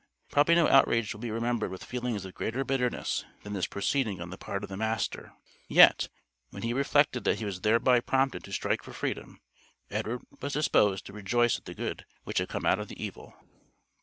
Probably no outrage will be remembered with feelings of greater bitterness, than this proceeding on the part of the master; yet, when he reflected that he was thereby prompted to strike for freedom, Edward was disposed to rejoice at the good which had come out of the evil.